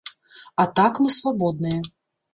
А так, мы свабодныя.